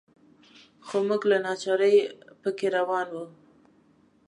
خو موږ له ناچارۍ په کې روان وو.